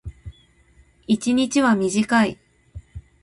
一日は短い。